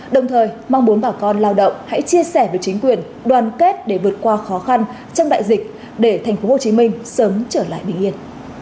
đồng thời mong muốn bà con lao động hãy chia sẻ với chính quyền đoàn kết để vượt qua khó khăn trong đại dịch để tp hcm sớm trở lại bình yên